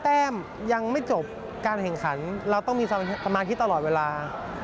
แต่มองว่าตอนนี้เรา๑๐